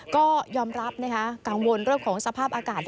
ก็ยอมรับนะคะกังวลเรื่องของสภาพอากาศ